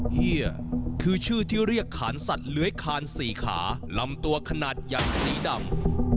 เฮียคือชื่อที่เรียกขานสัตว์เลื้อยคาน๔ขาลำตัวขนาดใหญ่สีดำ